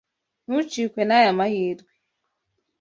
Ntucikwe naya mahirwe.